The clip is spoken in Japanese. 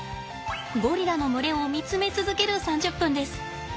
ゴリラの群れを見つめ続ける３０分です。